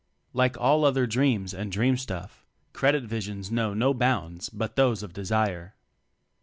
Like all other dreams and dream stuff. ''Credit" visions know no bounds but those of desire.